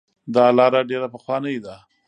دا لاره ډیره پخوانۍ ده.